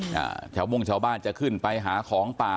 เนี่ยเฉววมงชาวบ้านจะขึ้นไปหาของป่า